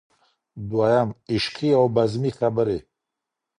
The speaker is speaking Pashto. دويم: عشقي او بزمي خبرې.